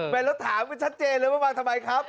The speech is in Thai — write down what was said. ไปแล้วถามกันชัดเจนเลยว่ามาทำไมครับ